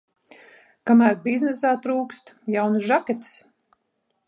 Kamēr biznesā trūkst jaunas žaketes.